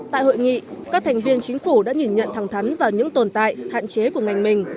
tại hội nghị các thành viên chính phủ đã nhìn nhận thẳng thắn vào những tồn tại hạn chế của ngành mình